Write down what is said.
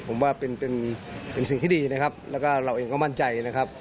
ผมว่าเป็นสิ่งที่ดีแล้วก็เราเองก็มั่นใจ